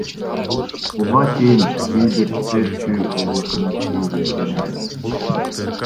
Буга чейин илбирстер Чүй облусунда кездешкен эмес.